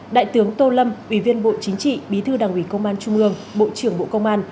đại tướng tô lâm ủy viên bộ chính trị bí thư đảng ủy công an trung ương bộ trưởng bộ công an